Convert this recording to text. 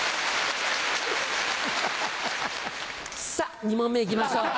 さっ２問目行きましょう。